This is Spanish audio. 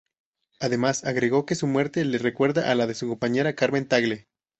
Además, agregó que su muerte le recuerda a la de su compañera Carmen Tagle.